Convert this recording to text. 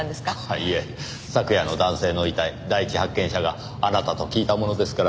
いえ昨夜の男性の遺体第一発見者があなたと聞いたものですから。